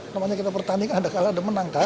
namanya kita pertanding kan ada kalah ada menang kan